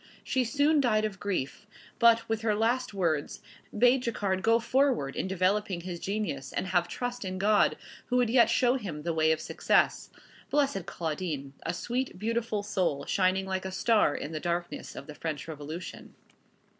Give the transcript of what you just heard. She soon died of grief, but, with her last words, bade Jacquard go forward in developing his genius, and have trust in God, who would yet show him the way of success. Blessed Claudine! A sweet, beautiful soul, shining like a star in the darkness of the French Revolution.